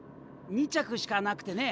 ２着しかなくてね。